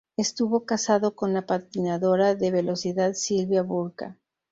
Estuvo casado con la patinadora de velocidad Sylvia Burka.